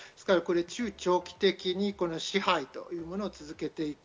中・長期的に支配というものを続けていく。